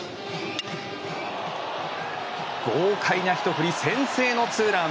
豪快なひと振り先制のツーラン！